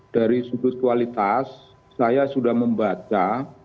dari sudut kualitas saya sudah membaca